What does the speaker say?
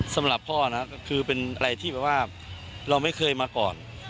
สำหรับพ่อนะก็คือเป็นอะไรที่แบบว่าเราไม่เคยมาก่อน